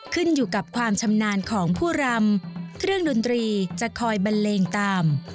ขึ้นอยู่กับความชำนาญของผู้รำเครื่องดนตรีจะคอยบันเลงตาม